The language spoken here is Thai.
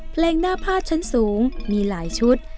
เพลงหน้าพาดชั้นสูงมีหลายชุด